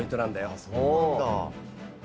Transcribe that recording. あっそうなんだ。